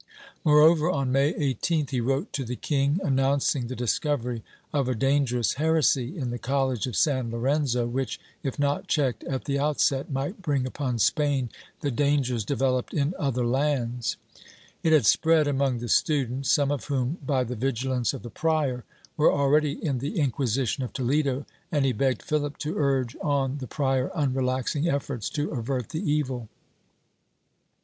Moreover, on May 18th he wrote to the king, announcing the discovery of a dangerous 170 PROPOSITIONS [Book VIII heresy in the college of San Lorenzo which, if not checked at the outset, might bring upon Spain the dangers developed in other lands. It had spread among the students, some of whom, by the vigilance of the prior, were already in the Inquisition of Toledo, and he begged Philip to urge on the prior unrelaxing efforts to avert the evil.